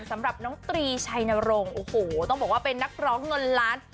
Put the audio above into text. สำหรับน้องตรีชัยนรงค์โอ้โหต้องบอกว่าเป็นนักร้องเงินล้าน